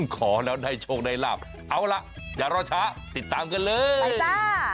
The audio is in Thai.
ขอแล้วได้โชคได้ลาบเอาล่ะอย่ารอช้าติดตามกันเลยจ้า